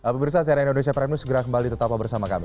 pemirsa sma segera kembali tetap bersama kami